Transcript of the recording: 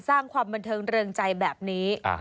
สร้างความบันเทิงเริงใจแบบนี้